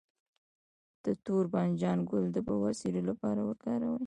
د تور بانجان ګل د بواسیر لپاره وکاروئ